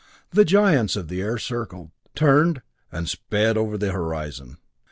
The giants of the air circled, turned, and sped over the horizon.